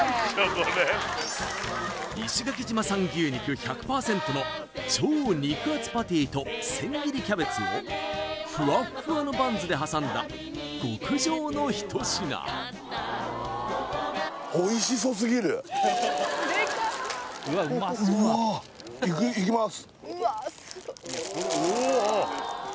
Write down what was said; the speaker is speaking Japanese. これ石垣島産牛肉１００％の超肉厚パティとせん切りキャベツをフワッフワのバンズで挟んだ極上の一品うわいきます